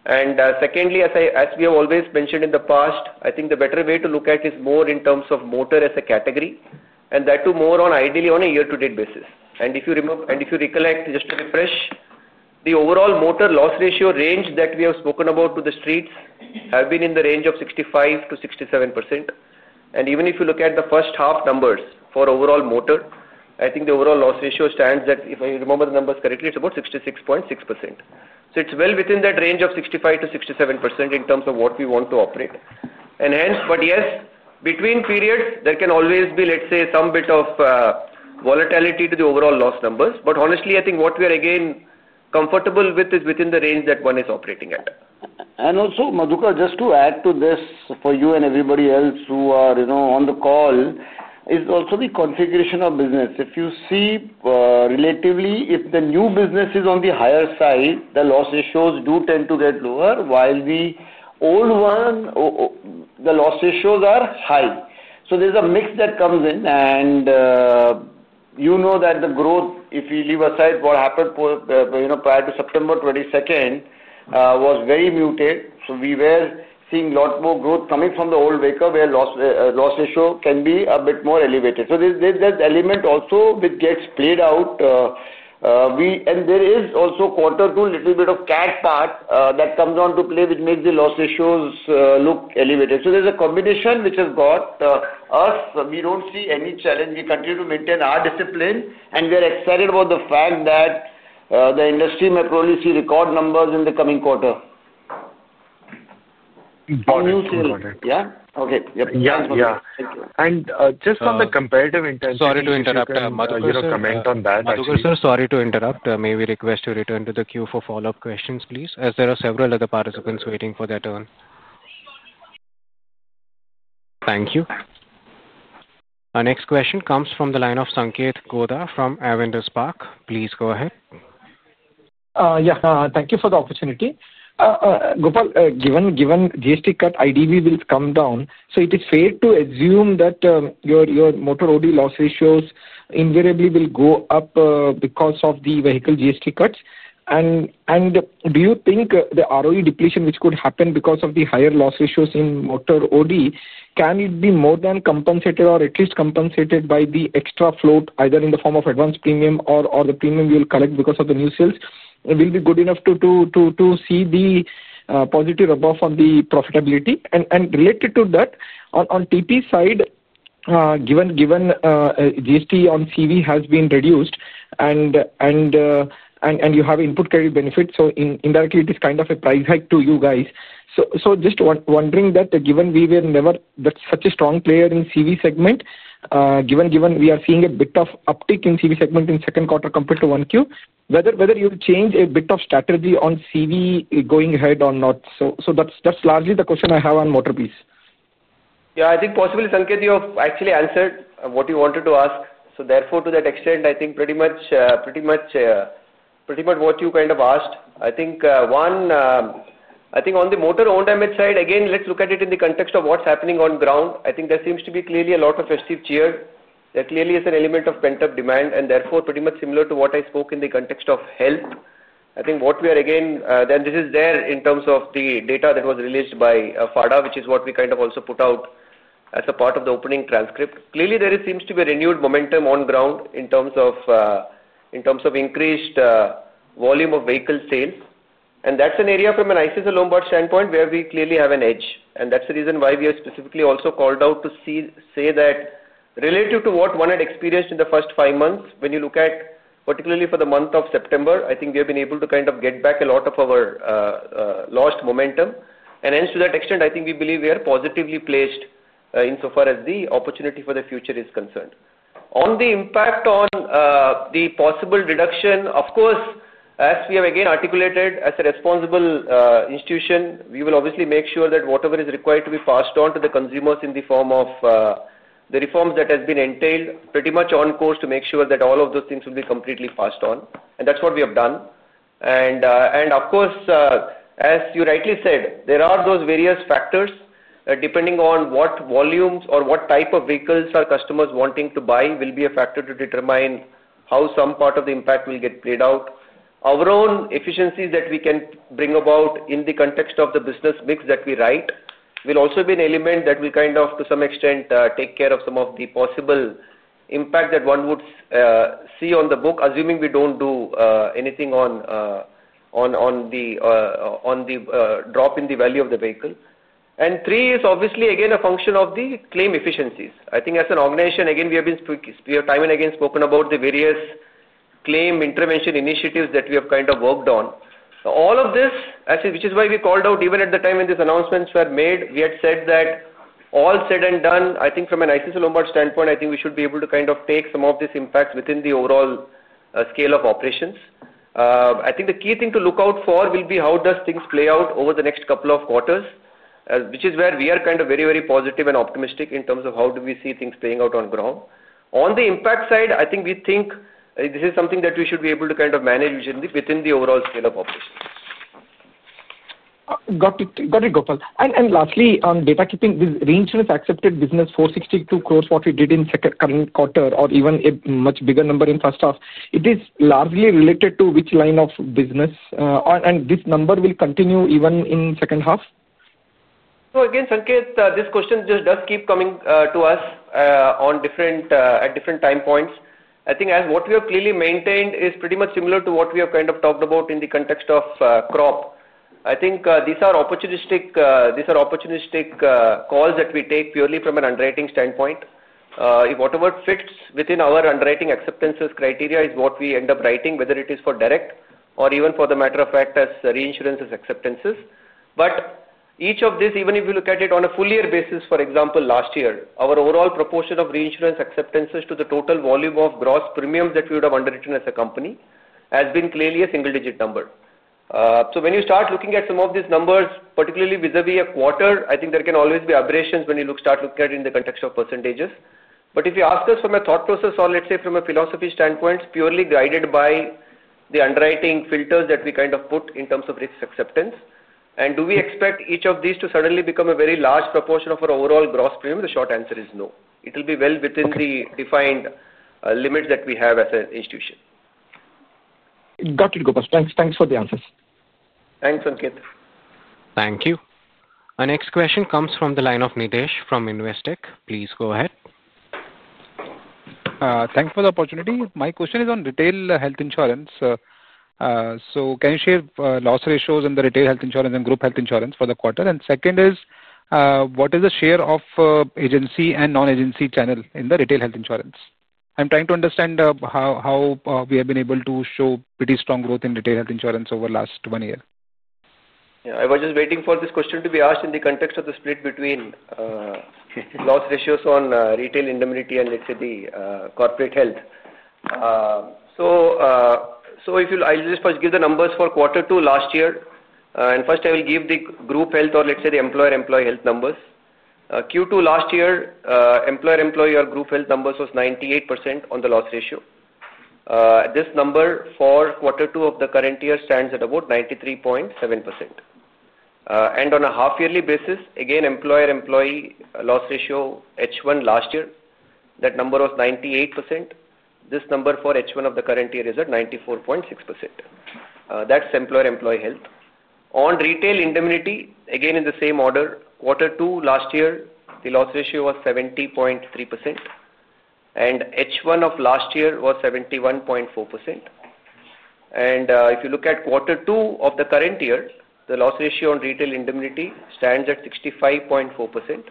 Secondly, as we have always mentioned in the past, I think the better way to look at it is more in terms of motor as a category and that too more on ideally on a year to date basis. If you recollect, just to refresh, the overall motor loss ratio range that we have spoken about to the streets has been in the range of 65% to 67% and even if you look at the first half numbers for overall motor, I think the overall loss ratio stands at, if I remember the numbers correctly, it's about 66.6%. It's well within that range of 65% to 67% in terms of what we want to operate and hence. Yes, between periods there can always be, let's say, some bit of volatility to the overall loss numbers. Honestly, I think what we are again comfortable with is within the range that one is operating at and also. Madhuka, just to add to this for you and everybody else who are on the call, is also the configuration of business. If you see, relatively, if the new business is on the higher side, the loss ratios do tend to get lower, while the old one, the loss ratios are high. There's a mix that comes in, and you know that the growth, if we leave aside what happened prior to September 22, was very muted. We were seeing a lot more growth coming from the old vehicle where loss ratio can be a bit more elevated. There's an element also which gets played out, and there is also Q2, a little bit of CAD part that comes into play, which makes the loss ratios look elevated. There's a combination which has got us. We don't see any challenge. We continue to maintain our discipline, and we are excited about the fact that the industry may probably see record numbers in the coming quarter. Yeah, okay. Yeah. On the comparative intensity. Sorry to interrupt. Sorry to interrupt. May we request to return to the queue for follow-up questions, please, as there are several other participants waiting for their turn. Thank you. Our next question comes from the line of Sanket Koda from Aventus Park. Please go ahead. Thank you for the opportunity, Gopal. Given GST cut, IDV will come down. It is fair to assume that your motor OD loss ratios invariably will go up because of the vehicle GST cuts. Do you think the ROE depletion which could happen because of the higher loss ratios in motor OD can be more than compensated or at least compensated by the extra float either in the form of advanced premium or the premium you'll collect because of the new sales, because it will be good enough to see the positive rub off on the profitability? Related to that, on the TP side, given GST on CV has been reduced and you have input credit benefit, it is kind of a price hike to you guys. I am just wondering, given we were never such a strong player in the CV segment, and given we are seeing a bit of uptick in the CV segment in the second. Quarter compared to 1Q. Change a bit of strategy on CV going ahead or not. That's largely the question. I have on motor, please. Yeah, I think possibly Sanket, you actually answered what you wanted to ask. To that extent, I think pretty much what you kind of asked. I think on the motor own damage side, again, let's look at it in the context of what's happening on ground. I think there seems to be clearly a lot of festive cheer. There clearly is an element of pent-up demand and therefore pretty much similar to what I spoke in the context of health. I think what we are again, then this is there in terms of the data that was released by FADA, which is what we kind of also put out as a part of the opening transcript. Clearly, there seems to be renewed momentum on ground in terms of increased volume of vehicle sales. That's an area from an ICICI Lombard standpoint where we clearly have an edge. That's the reason why we specifically also called out to say that relative to what one had experienced in the first five months, when you look at particularly for the month of September, I think we have been able to get back a lot of our lost momentum. To that extent, I think we believe we are positively placed insofar as the opportunity for the future is concerned. On the impact on the possible deduction, of course, as we have again articulated as a responsible institution, we will obviously make sure that whatever is required to be passed on to the consumers in the form of the reforms that have been entailed is pretty much on course to make sure that all of those things will be completely passed on. That's what we have done. Of course, as you rightly said, there are those various factors depending on what volumes or what type of vehicles our customers are wanting to buy, which will be a factor to determine how some part of the impact will get paid out. Our own efficiency that we can bring about in the context of the business mix that we write will also be an element that will to some extent take care of some of the possible impact that one would see on the book, assuming we don't do anything on the drop in the value of the vehicle. Three is obviously again a function of the claim efficiencies. I think as an organization, we have time and again spoken about the various claim intervention initiatives that we have worked on, all of this, which is why we called out even at the time when these announcements were made, we had said that all said and done. I think from an ICICI Lombard standpoint, we should be able to kind of take some of these impacts within the overall scale of operations. The key thing to look out for will be how does things play out over the next couple of quarters, which is where we are kind of very, very positive and optimistic in terms of how do we see things playing out on ground. On the impact side, I think we think this is something that we should be able to kind of manage within the overall scale of operations. Got it, Gopal. Lastly, on data, keeping this reinsurance accepted business 462 crore, what we did in the second quarter or even a much bigger number in the first half, it is largely related to which line of business, and this number will continue even in the second half. Again, Sanket, this question just does keep coming to us at different time points. I think as what we have clearly maintained is pretty much similar to what we have kind of talked about in the context of crop. I think these are opportunistic. These are opportunistic calls that we take purely from an underwriting standpoint. Whatever fits within our underwriting acceptances criteria is what we end up writing, whether it is for direct or even for the matter of fact as reinsurance acceptances. Each of these, even if you look at it on a full year basis, for example, last year our overall proportion of reinsurance acceptances to the total volume of gross premiums that we would have underwritten as a company has been clearly a single digit number. When you start looking at some of these numbers, particularly vis-à-vis a quarter, there can always be aberrations when you start looking at it in the context of percentages. If you ask us from a thought process or let's say from a philosophy standpoint, purely guided by the underwriting filters that we kind of put in terms of risk acceptance, and do we expect each of these to suddenly become a very large proportion of our overall gross premium? The short answer is no. It will be well within the defined limits that we have as an institution. Got it. Gopal, thanks for the answers. Thanks, Ankit. Thank you. Our next question comes from the line of Nitesh from Investec. Please go ahead. Thanks for the opportunity. My question is on retail health insurance. Can you share loss ratios in? The retail health insurance and group health insurance for the quarter and second is what is the share of agency and non-agency channel in the retail health insurance. I'm trying to understand how we have. Been able to show pretty strong growth in retail health insurance over last one year. I was just waiting for this question to be asked in the context of the split between loss ratios on retail indemnity and let's say the corporate health. I'll just first give the numbers for quarter two last year and first I will give the group health or let's say the employer employee health numbers. Q2 last year employer employee or group health numbers was 98% on the loss ratio. This number for quarter two of the current year stands at about 93.7%. On a half yearly basis again employer employee loss ratio H1 last year that number was 98%. This number for H1 of the current year is at 94.6%. That's employer employee health. On retail indemnity, again in the same order, quarter two last year the loss ratio was 70.3% and H1 of last year was 71.4%. If you look at quarter two of the current year, the loss ratio on retail indemnity stands at 65.4%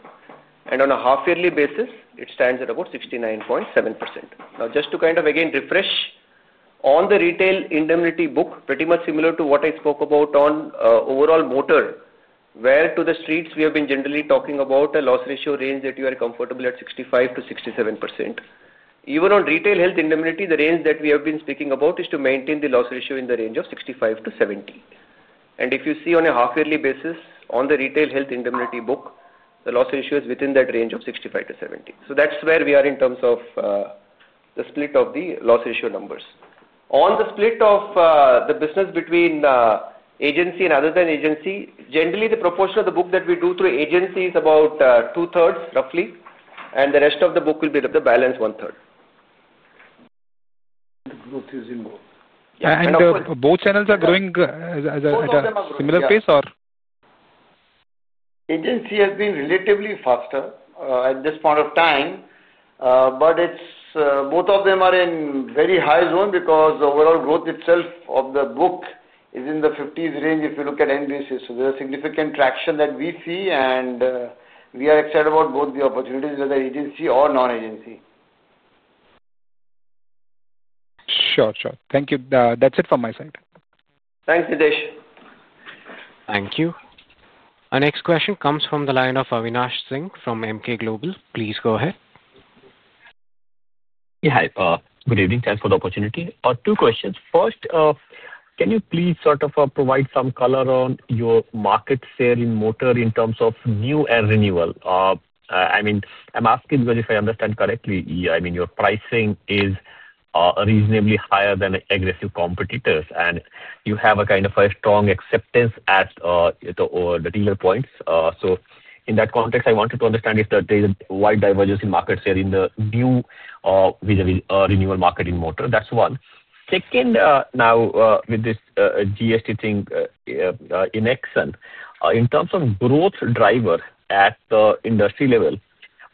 and on a half yearly basis it stands at about 69.7%. Now just to kind of again refresh on the retail indemnity book, pretty much similar to what I spoke about on overall motor where to the streets, we have been generally talking about a loss ratio range that you are comfortable at 65 to 67%. Even on retail health indemnity, the range that we have been speaking about is to maintain the loss ratio in the range of 65 to 70%. If you see on a half yearly basis on the retail health indemnity book, the loss ratio is within that range of 65 to 70%. That's where we are in terms of the split of the loss ratio numbers on the split of the business between agency and other than agency. Generally the proportion of the book that we do through agency is about two-thirds roughly and the rest of the book will be the balance one-third. Both channels are growing at a. Similar pace or agency has been relatively. Faster at this point of time. Both of them are in very high zone because the overall growth itself of the book is in the 50% range if you look at NBC. There's significant traction that we see and we are excited about both the opportunities, whether agency or non-agency. Sure, sure. Thank you. That's it from my side. Thanks Nitesh. Thank you. Our next question comes from the line of Avinash Singh from MK Global. Please go ahead. Hi, good evening. Thanks for the opportunity. Two questions. First, can you please sort of provide? Some color on your market share in motor in terms of new and renewal? I'm asking because if I understand correctly, your pricing is reasonably higher than aggressive competitors and you have a kind of a strong acceptance at the dealer points. In that context, I wanted to understand if there is a wide divergence in market share in the new vis-à-vis renewal market in motor. That's one. Second, now with this GST thing in action in terms of growth driver at the industry level,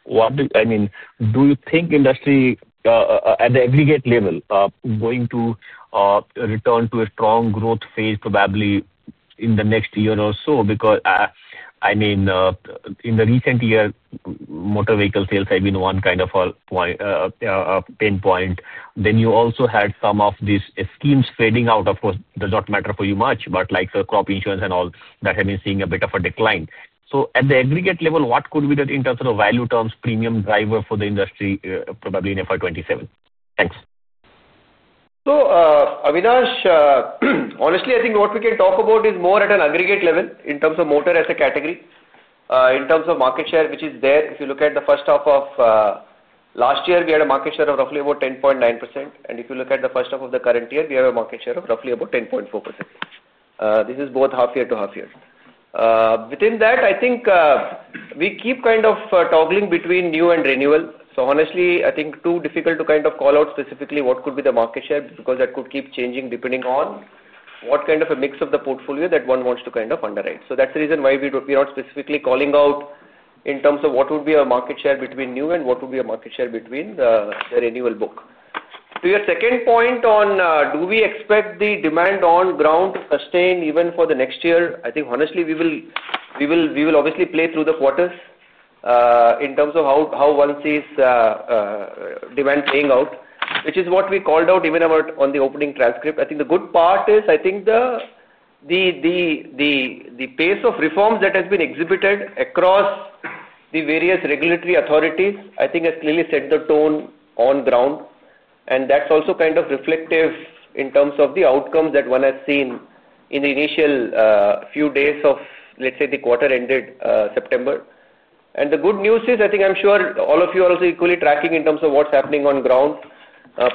do you think industry at the aggregate level is going to return to a strong growth phase probably in the next year or so? In the recent year, motor vehicle sales have been one kind of pinpoint. You also had some of these schemes fading out. Of course, does not matter for you much, but like crop insurance and all that have been seeing a bit of a decline. At the aggregate level, what could. Be done in terms of value terms, premium driver for the industry probably in FY2027. Thanks. Avinash, honestly I think what we can talk about is more at an aggregate level in terms of motor as a category in terms of market share which is there. If you look at the first half of last year we had a market share of roughly about 10.9% and if you look at the first half of the current year we have a market share of roughly about 10.4%. This is both half year to half year. Within that, I think we keep kind of toggling between new and renewal. Honestly I think too difficult to kind of call out specifically what could be the market share because that could keep changing depending on what kind of a mix of the portfolio that one wants to kind of underwrite. That's the reason why we are specifically calling out in terms of what would be a market share between new and what would be a market share between the renewal book. To your second point on do we expect the demand on ground to sustain even for the next year? I think honestly we will obviously play through the quarters in terms of how one sees demand playing out, which is what we called out even on the opening transcript. The good part is I think the pace of reforms that has been exhibited across the various regulatory authorities I think has clearly set the tone on ground. That's also kind of reflective in terms of the outcomes that one has seen in the initial few days of let's say the quarter ended September. The good news is I think I'm sure all of you are also equally tracking in terms of what's happening on ground,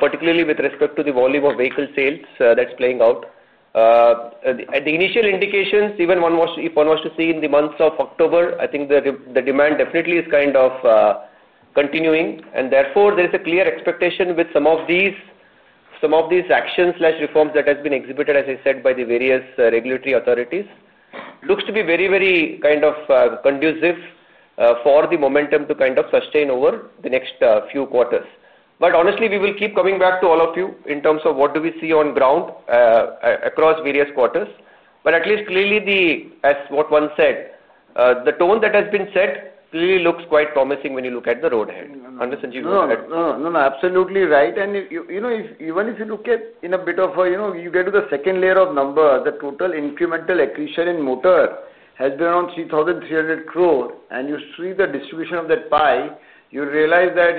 particularly with respect to the volume of vehicle sales that's playing out at the initial indications. Even if one was to see in the months of October, I think the demand definitely is kind of continuing and therefore there is a clear expectation with some of these, some of these actions, reforms that has been exhibited, as I said, by the various regulatory authorities looks to be very, very kind of conducive for the momentum to kind of sustain over the next few quarters. Honestly we will keep coming back to all of you in terms of what do we see on ground across various quarters. At least clearly the as what one said, the tone that has been set clearly looks quite promising when you look at the road ahead. No, absolutely right. Even if you look at, in a bit of, you know, you get to the second layer of number, the total incremental accretion in motor has been around 3,300 crore, and you see the distribution of that pie, you realize that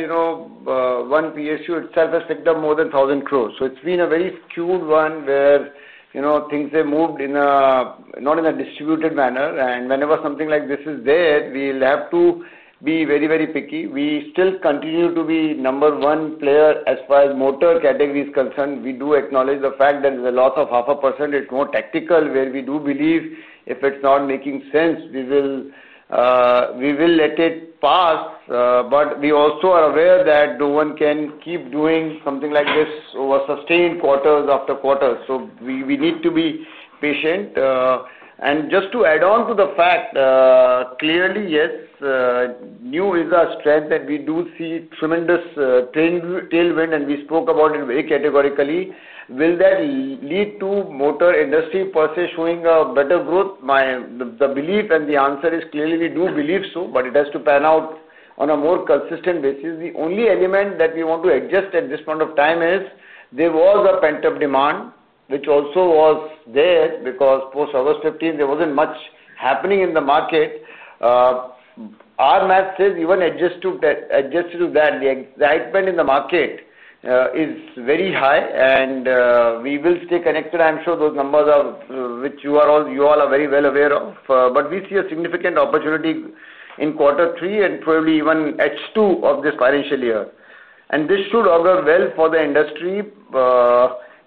one PSU itself has ticked up more than 1,000 crore. It has been a very skewed one where things have moved not in a distributed manner. Whenever something like this is there, we will have to be very, very picky. We still continue to be number one player as far as motor category is concerned. We do acknowledge the fact that the loss of 0.5% is more tactical where we do believe if it's not making sense, we will let it pass. We also are aware that no one can keep doing something like this over sustained quarters after quarters. We need to be patient. Just to add on to the fact, clearly yes, new is a strength that we do see tremendous tailwind, and we spoke about it very categorically. Will that lead to motor industry per se showing a better growth? The belief and the answer is clearly we do believe so, but it has to pan out on a more consistent basis. The only element that we want to adjust at this point of time is there was a pent-up demand which also was there because post August 15 there wasn't much happening in the market. Our math says even adjusted to that, the hike band in the market is very high, and we will stay connected. I'm sure those numbers are which you all are very well aware of. We see a significant opportunity in quarter three and probably even H2 of this financial year, and this should augur well for the industry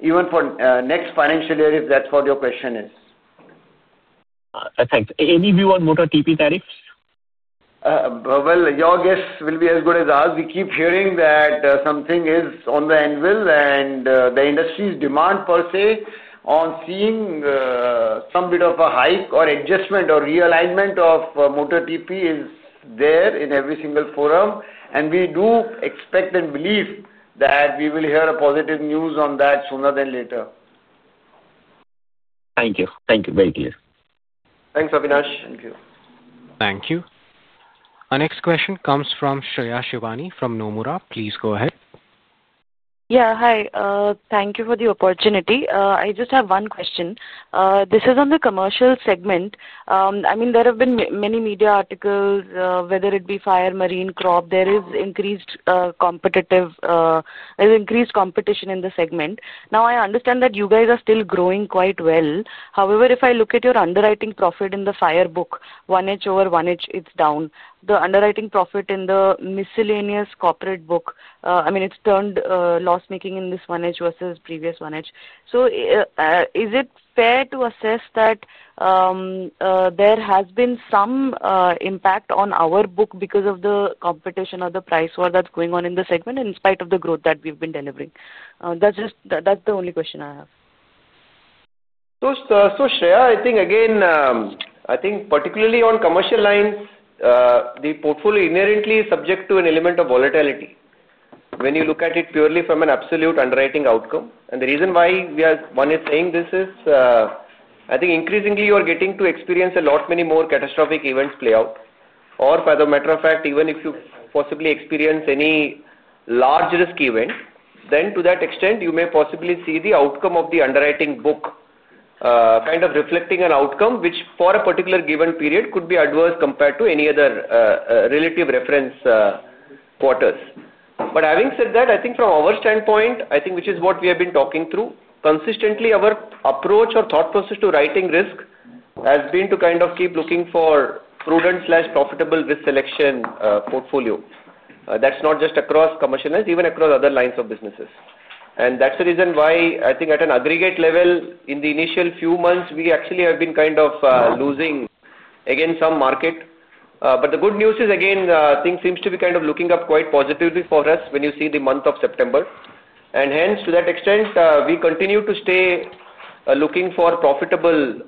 even for next financial year if that's what your question is. Thanks. Any view on motor TP tariffs? Your guess will be as good as ours. We keep hearing that something is on the anvil and the industry's demand per se on seeing some bit of a hike or adjustment or realignment of motor TP is there in every single forum, and we do expect and believe that we will hear a positive news on that sooner than later. Thank you. Thank you. Very clear. Thanks Abhinash. Thank you. Thank you. Our next question comes from Shreyash Ivani from Nomura. Please go ahead. Yeah, hi. Thank you for the opportunity. I just have one question. This is on the commercial segment. There have been many media articles, whether it be fire, marine, crop, there is increased competition in the segment. Now I understand that you guys are still growing quite well. However, if I look at your underwriting profit in the fire book 1H over 1H, it's down. The underwriting profit in the miscellaneous corporate book, it's turned loss making in this 1H versus previous 1H. Is it fair to assess that there has been some impact on our book because of the competition or the price war that's going on in the segment in spite of the growth that we've been delivering? That's the only question I have. Shreya, I think particularly on commercial lines, the portfolio inherently is subject to an element of volatility when you look at it purely from an absolute underwriting outcome. The reason why one is saying this is I think increasingly you are getting to experience a lot many more catastrophic events play out or as a matter of fact, even if you possibly experience any large risk event, then to that extent you may possibly see the outcome of the underwriting book kind of reflecting an outcome which for a particular given period could be adverse compared to any other relative reference quarters. Having said that, I think from our standpoint, which is what we have been talking through consistently, our approach or thought process to writing risk has been to kind of keep looking for prudent, profitable risk selection portfolio that's not just across commercial, even across other lines of businesses. That's the reason why I think at an aggregate level, in the initial few months we actually have been kind of losing again, some market. The good news is things seem to be kind of looking up quite positively for us when you see the month of September. Hence to that extent we continue to stay looking for profitable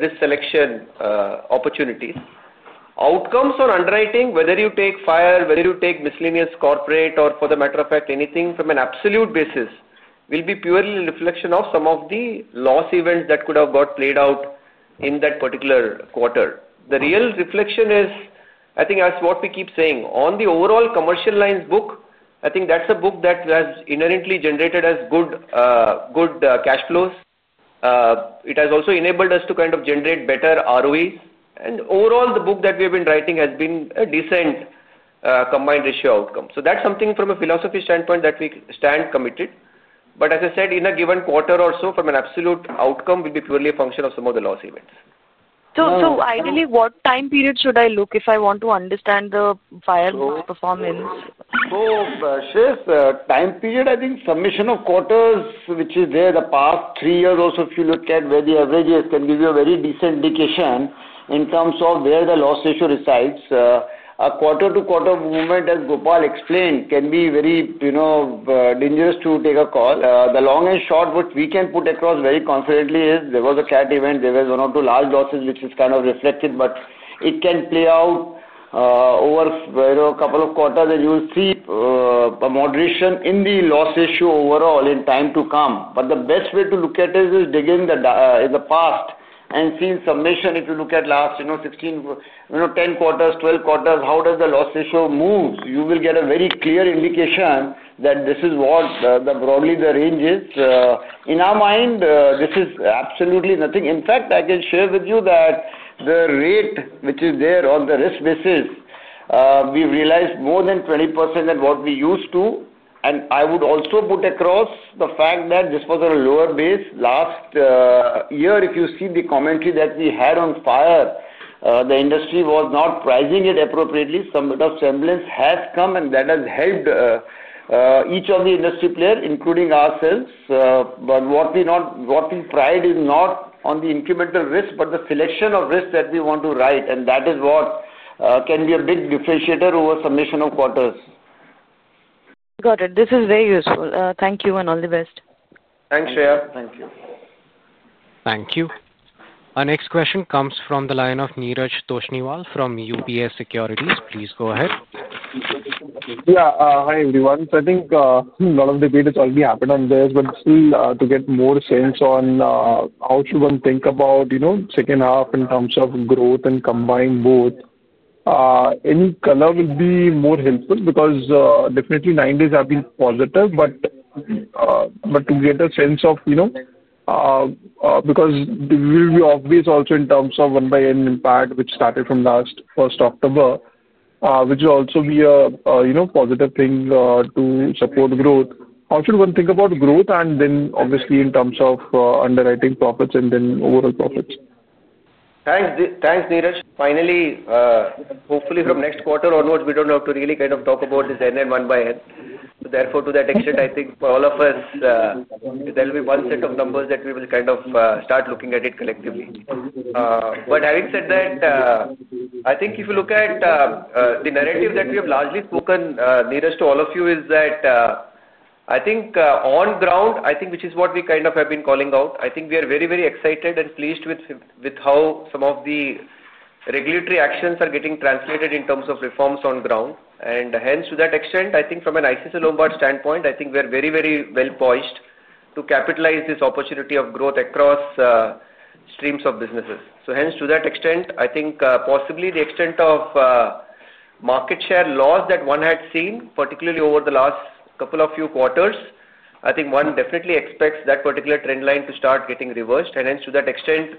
risk selection opportunities, outcomes on underwriting. Whether you take fire, whether you take miscellaneous corporate or for the matter of fact, anything from an absolute basis will be purely a reflection of some of the loss events that could have got played out in that particular quarter. The real reflection is, I think, as what we keep saying on the overall commercial lines book, I think that's a book that has inherently generated us good cash flows. It has also enabled us to kind of generate better ROEs. Overall the book that we have been writing has been a decent combined ratio outcome. That's something from a philosophy standpoint that we stand committed. As I said, in a given quarter or so from an absolute outcome will be purely a function of some of the loss events. What time period should I look if I want to understand the fire? Performance. Time period, I think submission of quarters which is there the past three years. Also, if you look at where the averages can give you a very decent indication in terms of where the loss ratio resides. A quarter to quarter movement, as Gopal explained, can be very dangerous to take a call. The long and short which we can put across very confidently is there was a cat event, there was one or two large losses which is kind of reflected. It can play out over a couple of quarters and you will see a moderation in the loss ratio overall in time to come. The best way to look at is dig in the past and see submission. If you look at last 16, 10 quarters, 12 quarters, how does the loss ratio moves? You will get a very clear indication that this is what broadly the range is in our mind. This is absolutely nothing. In fact, I can share with you that the rate which is there on the risk basis, we realized more than 20% than what we used to. I would also put across the fact that this was a lower base last year. If you see the commentary that we had on fire, the industry was not pricing it appropriately. Some bit of semblance has come and that has helped each of the industry players, including ourselves. What we pride is not on the incremental risk but the selection of risks that we want to write. That is what can be a big differentiator over submission of quarters. Got it. This is very useful. Thank you, and all the best. Thanks, Shreya. Thank you. Thank you. Our next question comes from the line of Neeraj Toshniwal from UPS Securities. Please go ahead. Hi everyone. I think a lot of debate has already happened on this. To get more sense on how should one think about, you know, second half in terms of growth and combine both, any color will be more helpful because definitely nine days have been positive. To get a sense of you. Because we will be obvious also in terms of one by N impact which started from last first October, which will also be a, you know, positive thing to support growth. How should one think about growth? Obviously, in terms of underwriting profits. Overall profits. Thanks, Neeraj. Finally, hopefully from next quarter onwards we don't have to really kind of talk about this. NN1 by N. Therefore, to that extent, I think for all of us, there will be one set of numbers that we will kind of start looking at it collectively. Having said that, if you look at the narrative that we have largely spoken nearest to all of you, I think on ground, which is what we kind of have been calling out, we are very, very excited and pleased with how some of the regulatory actions are getting translated in terms of reforms on ground. Hence, to that extent, from an ICICI Lombard standpoint, we are very, very well poised to capitalize this opportunity of growth across streams of businesses. To that extent, possibly the extent of market share loss that one had seen, particularly over the last couple of few quarters, one definitely expects that particular trend line to start getting reversed. To that extent,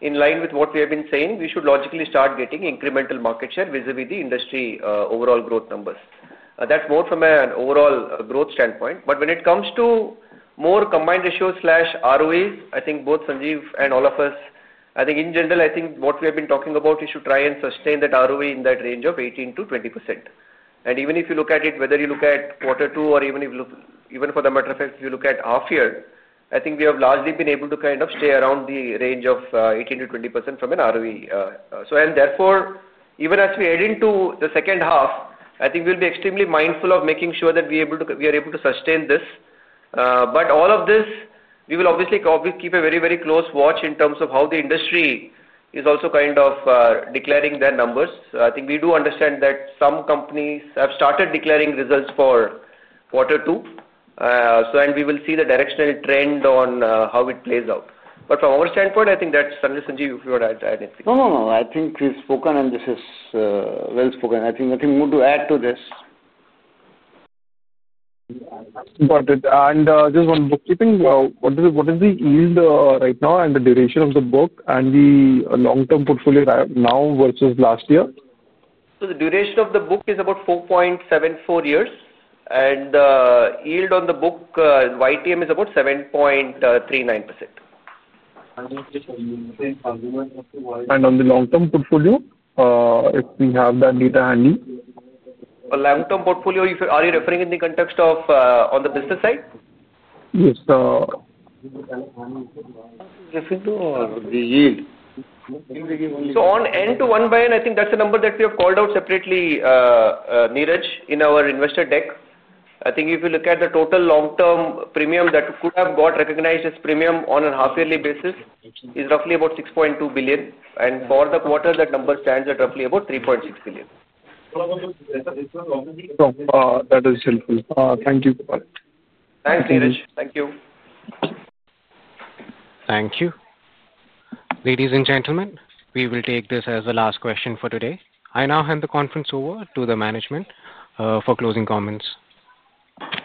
in line with what we have been saying, we should logically start getting incremental market share vis-à-vis the industry overall growth numbers. That's more from an overall growth standpoint. When it comes to more combined ratios, ROEs, both Sanjeev and all of us in general, what we have been talking about is to try and sustain that ROE in that range of 18 to 20%. Even if you look at it, whether you look at quarter two or even for the matter of fact, if you look at half year, we have largely been able to kind of stay around the range of 18 to 20% from an ROE. Therefore, even as we head into the second half, we will be extremely mindful of making sure that we are able to sustain this. All of this, we will obviously keep a very, very close watch in terms of how the industry is also kind of declaring their numbers. We do understand that some companies have started declaring results for quarter two and we will see the directional trend on how it plays out. From our standpoint, Sanjay, Sanjeev, if you want to add anything. I think we've spoken and this is well spoken. I think nothing more to add to this. Got it. Just one bookkeeping. What is the yield right now and the duration of the book and the long term portfolio now versus last year. The duration of the book is about 4.74 years, and yield on the book YTM is about 7.39%. On the long term portfolio, if we have that data handy, a long. Term portfolio, are you referring in the context of on the business side, yes. On end to one by n, I think that's the number that we have called out separately, Neeraj, in our investor deck. If you look at the total long term premium that could have got recognized as premium on a half yearly basis, it's roughly about 6.2 billion. For the quarter, that number stands at roughly about 3.6 billion. That is helpful. Thank you. Thanks, Neeraj. Thank you. Thank you. Ladies and gentlemen, we will take this as the last question for today. I now hand the conference over to the management for closing comments.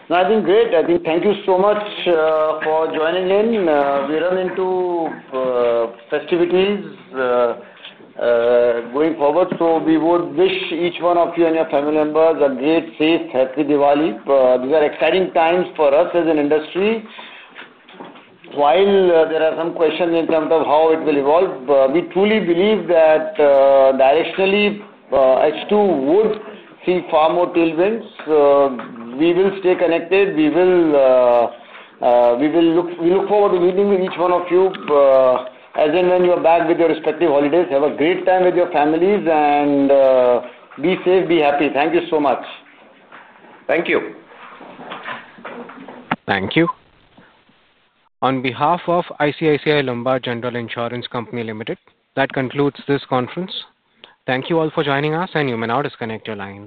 Great. Thank you so much for joining in. We run into festivities going forward, so we would wish each one of you and your family members a great, safe, happy Diwali. These are exciting times for us as an industry. While there are some questions in terms of how it will evolve, we truly believe that directionally H2 would see far more tailwinds. We will stay connected. We look forward to meeting with each one of you as and when you are back with your respective holidays. Have a great time with your families and be safe, be happy. Thank you so much. Thank you. Thank you on behalf of ICICI Lombard General Insurance Company Limited. That concludes this conference. Thank you all for joining us. You may now disconnect your lines.